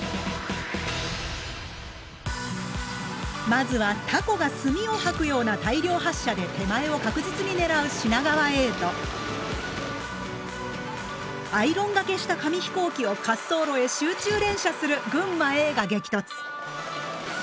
まずはタコが墨を吐くような大量発射で手前を確実に狙う品川Ａとアイロンがけした紙飛行機を滑走路へ集中連射する群馬Ａが激突。